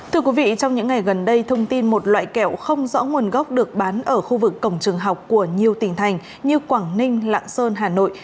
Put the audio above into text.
thưa quý vị trong những ngày gần đây thông tin một loại kẹo không rõ nguồn gốc được bán ở khu vực cổng trường học của nhiều tỉnh thành như quảng ninh lạng sơn hà nội